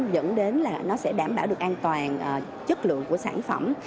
dẫn đến là nó sẽ đảm bảo được an toàn chất lượng của sản phẩm